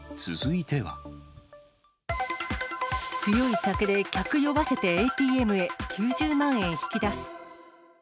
強い酒で客酔わせてＡＴＭへ、９０万円引き出す。